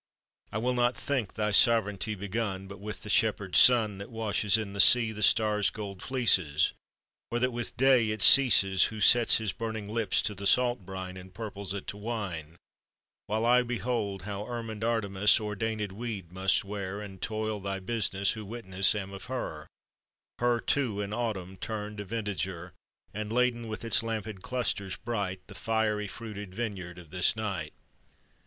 I will not think thy sovereignty begun But with the shepherd Sun That washes in the sea the stars' gold fleeces; Or that with Day it ceases, Who sets his burning lips to the salt brine, And purples it to wine; While I behold how ermined Artemis Ordainèd weed must wear, And toil thy business; Who witness am of her, Her too in Autumn turned a vintager; And, laden with its lampèd clusters bright, The fiery fruited vineyard of this night.